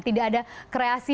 tidak ada kreasi